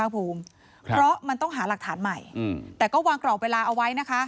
เพราะมันต้องหาหลักฐานใหม่แต่ก็วางกรอบเวลาเอาไว้นะคะ